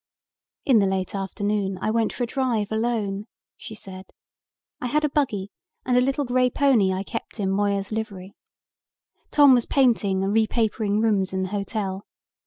"In the late afternoon I went for a drive alone," she said. "I had a buggy and a little grey pony I kept in Moyer's Livery. Tom was painting and repapering rooms in the hotel.